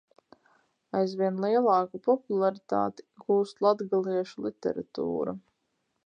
Aizvien lielāku popularitāti gūst latgaliešu literatūra.